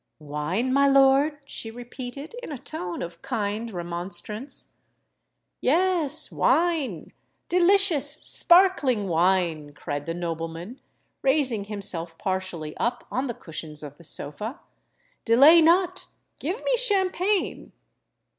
"Wine, my lord?" she repeated, in a tone of kind remonstrance. "Yes—wine—delicious, sparkling wine!" cried the nobleman, raising himself partially up on the cushions of the sofa. "Delay not—give me champagne!"